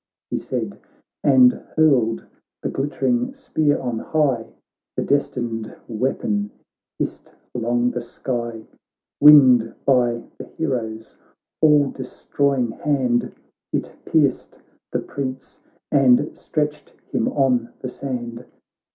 He said, and hurled the glittering spear on high, The destined weapon hissed along the sky; Winged by the hero's all destroying hand It pierced the Prince, and stretched him on the sand.